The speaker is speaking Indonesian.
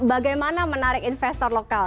bagaimana menarik investor lokal